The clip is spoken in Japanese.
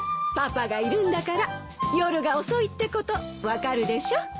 パパがいるんだから夜が遅いってこと分かるでしょ？